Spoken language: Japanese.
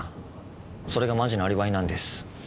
それがマジなアリバイなんです。